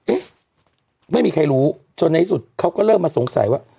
เอ๊ะไม่มีใครรู้จนในที่สุดเขาก็เริ่มมาสงสัยว่า